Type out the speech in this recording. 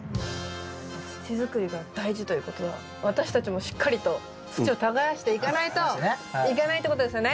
土づくりが大事ということは私たちもしっかりと土を耕していかないといけないってことですよね。